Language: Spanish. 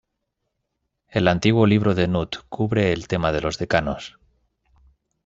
El antiguo libro de Nut cubre el tema de los decanos.